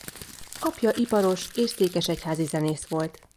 Apja iparos és székesegyházi zenész volt.